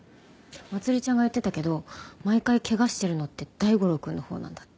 まつりちゃんが言ってたけど毎回怪我してるのって大五郎くんのほうなんだって。